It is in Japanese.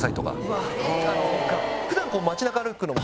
普段。